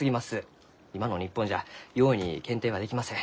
今の日本じゃ容易に検定はできません。